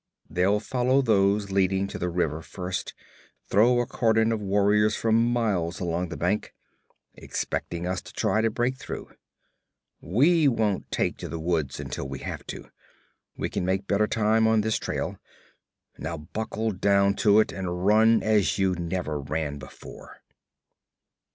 They'll follow those leading to the river first throw a cordon of warriors for miles along the bank, expecting us to try to break through. We won't take to the woods until we have to. We can make better time on this trail. Now buckle down to it and run as you never ran before.'